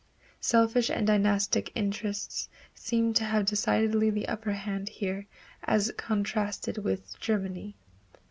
Selfish and dynastic interests seem to have decidedly the upper hand here as contrasted with Germany.